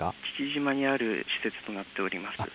父島にある施設となっております。